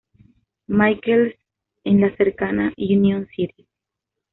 Michael's" en la cercana Union City.